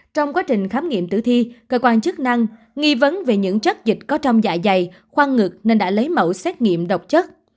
trong quá trình khám nghiệm tử thi cơ quan chức năng nghi vấn về những chất dịch có trong dạ dày khoan ngực nên đã lấy mẫu xét nghiệm độc chất